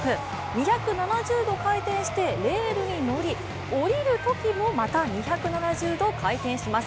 ２７０度回転してレールに乗り降りるときもまた２７０度回転します